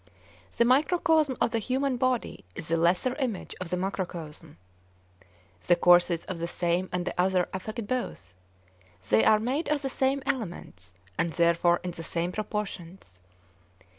The microcosm of the human body is the lesser image of the macrocosm. The courses of the same and the other affect both; they are made of the same elements and therefore in the same proportions.